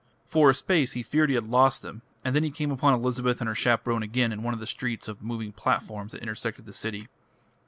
For a space he feared he had lost them, and then he came upon Elizabeth and her chaperone again in one of the streets of moving platforms that intersected the city.